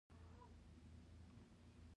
قدرپوهنه اړیکې ټینګوي.